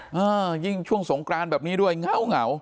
ยิ่งช่วงสงกรานแบบนี้ด้วยเงาเหงา